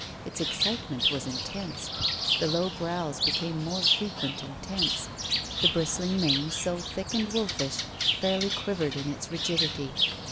Its excitement was intense. The low growls became more frequent and tense. The bristling mane, so thick and wolfish, fairly quivered in its rigidity.